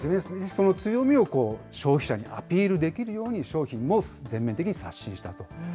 その強みを消費者にアピールできるように商品も全面的に刷新したと。